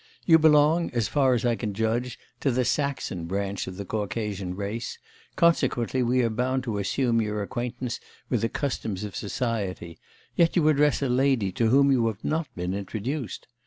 You belong, as far as I can judge, to the Saxon branch of the Caucasian race; consequently we are bound to assume your acquaintance with the customs of society, yet you address a lady to whom you have not been introduced.